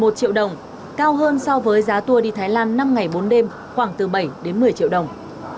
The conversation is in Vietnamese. một triệu đồng cao hơn so với giá tour đi thái lan năm ngày bốn đêm khoảng từ bảy đến một mươi triệu đồng